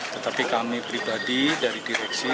tetapi kami pribadi dari direksi